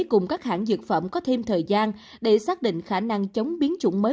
cùng các hãng dược phẩm có thêm thời gian để xác định khả năng chống biến chủng mới